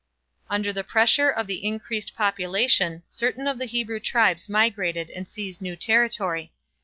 Under the pressure of the increased population certain of the Hebrew tribes migrated and seized new territory.